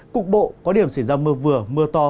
cục bộ có điểm xảy ra mưa vừa mưa to